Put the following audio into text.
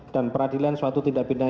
dan peradilan suatu tindak bidana